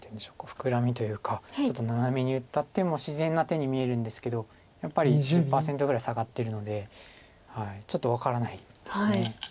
フクラミというかちょっとナナメに打った手も自然な手に見えるんですけどやっぱり１０％ぐらい下がってるのでちょっと分からないです。